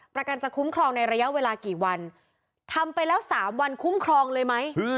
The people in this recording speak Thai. ประกันจะคุ้มครองในระยะเวลากี่วันทำไปแล้ว๓วันคุ้มครองเลยไหม